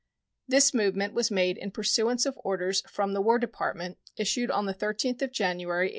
This movement was made in pursuance of orders from the War Department, issued on the 13th of January, 1846.